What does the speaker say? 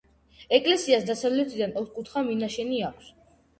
ეკლესიას დასავლეთიდან ოთხკუთხა მინაშენი აქვს.